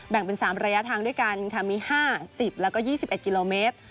แบ่งเป็นสามระยะทางด้วยกันค่ะมีห้าสิบแล้วก็ยี่สิบเอ็ดกิโลเมตร